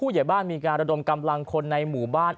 ใหญ่บ้านมีการระดมกำลังคนในหมู่บ้าน